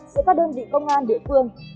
cho các đơn vị công an địa phương